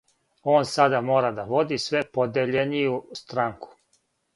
Он сада мора да води све подељенију странку.